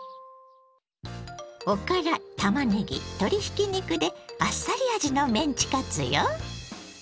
おからたまねぎ鶏ひき肉であっさり味のメンチカツよ。